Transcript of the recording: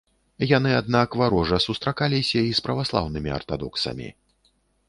Яны аднак варожа сустракаліся і праваслаўнымі артадоксамі.